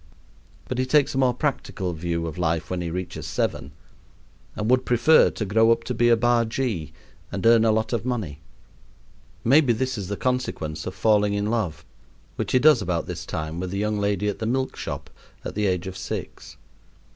But he takes a more practical view of life when he reaches seven, and would prefer to grow up be a bargee, and earn a lot of money. Maybe this is the consequence of falling in love, which he does about this time with the young lady at the milk shop aet. six.